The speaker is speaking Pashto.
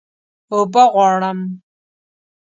اوبه غواړم